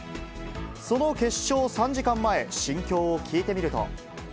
その決勝３時間前、心境を聞いてみると。